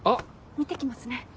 見てきますね。